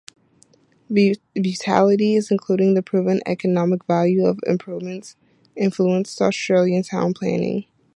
Beautility, including the proven economic value of improvements, influenced Australian town planning.